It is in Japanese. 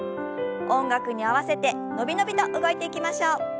音楽に合わせて伸び伸びと動いていきましょう。